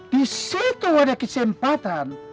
di situ ada kesempatan